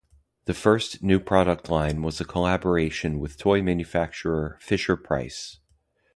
The first new product line was a collaboration with toy manufacturer Fisher-Price.